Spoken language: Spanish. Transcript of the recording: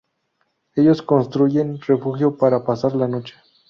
Ellos construyen refugio para pasar la noche.